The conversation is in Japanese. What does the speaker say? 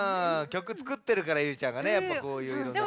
曲つくってるからゆいちゃんがねやっぱこういういろんな。